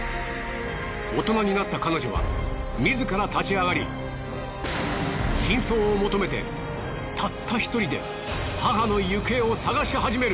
大人になった彼女は自ら立ち上がり真相を求めてたった１人で母の行方を捜し始める！